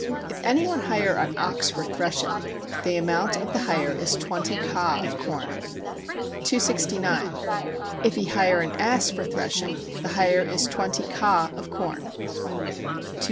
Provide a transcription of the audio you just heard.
If any one hire an ox for threshing, the amount of the hire is twenty ka of corn. 269. If he hire an ass for threshing, the hire is twenty ka of corn. 270.